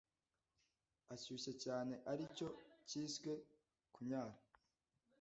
ashyushye cyane aricyo cyiswe kunyara.